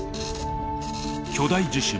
巨大地震。